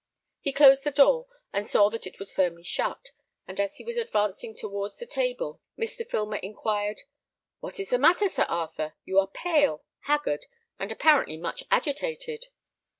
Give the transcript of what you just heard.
He closed the door, and saw that it was firmly shut; and as he was advancing towards the table, Mr. Filmer inquired, "What is the matter, Sir Arthur? You are pale, haggard, and apparently much agitated."